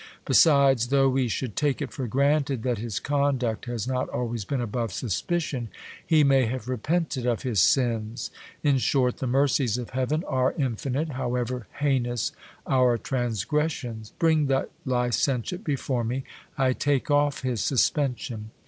Besides, though we should take it for granted that his conduct has not always been above sus picion, he may have repented of his sins ; in short, the mercies of heaven are infinite, however heinous our transgressions. Bring that licentiate before me, I take off his suspension.